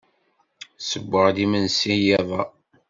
Ssewweɣ-d imensi i yiḍ-a.